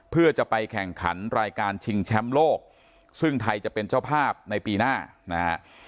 เพื่อจะไปแข่งขันรายการชิงแชมป์โลกซึ่งไทยจะเป็นเจ้าภาพในปีหน้านะฮะ